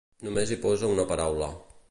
Només hi posa una paraula.